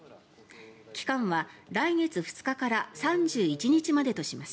期間は来月２日から３１日までとします。